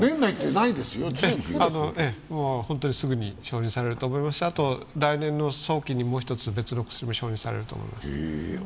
もう本当にすぐに承認されると思いますし、あと、来年の早期にもう一つ別の薬も承認されると思います。